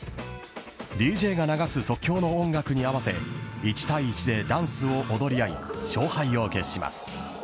ＤＪが流す即興の音楽に合わせ一対一でダンスを踊り合い勝敗を決します。